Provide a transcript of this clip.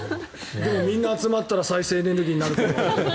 みんな集まったら再生可能エネルギーになるかも。